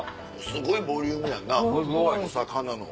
すごいボリュームやんなお魚の。